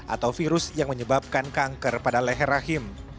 atau virus yang menyebabkan kanker pada leher rahim